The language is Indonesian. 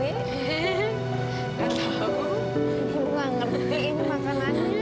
ini bu gak ngerti ini makanannya